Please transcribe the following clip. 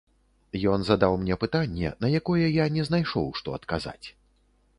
Ён задаў мне пытанне, на якое я не знайшоў, што адказаць.